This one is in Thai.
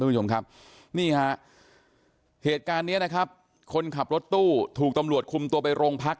ในเกี่ยวกับเหตุการณ์นี้นะครับคนขับรถตู้ถูกตัมหลวดคุมตัวไปโรงพัก